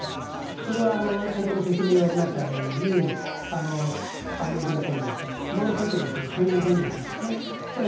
それは先ほど説明がありましたように板門店宣言ともう１つ、平壌宣言というのがあるんですね。